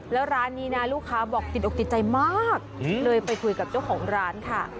แล้วร้านนี้นะลูกค้าบอกติดอกติดใจมากเลยไปคุยกับเจ้าของร้านค่ะ